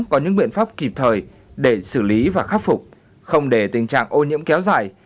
có những biện pháp kịp thời để xử lý và khắc phục không để tình trạng ô nhiễm kéo dài